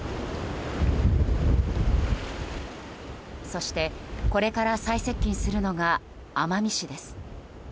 そしてこれから最接近するのが奄美市です。